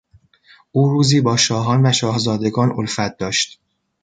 او روزی با شاهان و شاهزادگان الفت داشت.